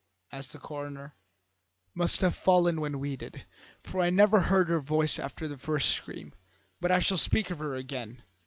asked the coroner. "Must have fallen when we did, for I never heard her voice after the first scream. But I shall speak of her again.